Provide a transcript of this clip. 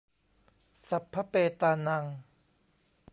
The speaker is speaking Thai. สัพพะเปตานัง